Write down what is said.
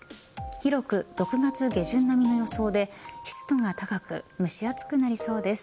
広く６月下旬並みの予想で湿度が高く蒸し暑くなりそうです。